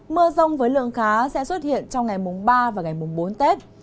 mưa rông với lượng khá sẽ xuất hiện trong ngày mùng ba và ngày mùng bốn tết